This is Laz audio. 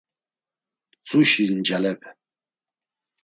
Mtzuşi ncalepe…